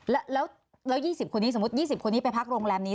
แล้ว๒๐คนนี้สมมุติ๒๐คนนี้ไปพักโรงแรมนี้